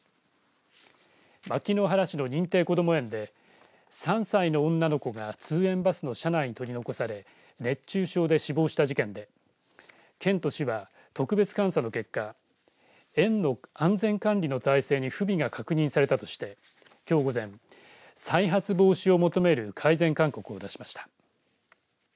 牧之原市の認定こども園で３歳の女の子が通園バスの車内に取り残され熱中症で死亡した事件で県と市は、特別監査の結果園の安全管理の体制に不備が確認されたとしてきょう午前、再発防止を求める改善勧告を出しました。